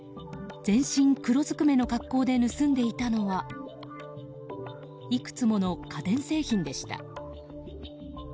全身黒ずくめの格好で盗んでいたのはいくつもの家電製品でした。